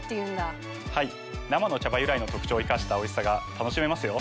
はい生の茶葉由来の特長を生かしたおいしさが楽しめますよ。